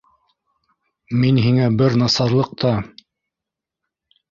- Мин һиңә бер насарлыҡ та...